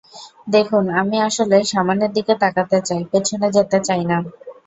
দেখুন, আমি আসলে সামনের দিকে তাকাতে চাই, পেছনে যেতে চাই না।